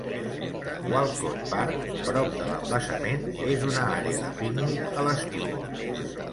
Walcott Park, prop de l'embassament, és una àrea de pícnic a l'estiu.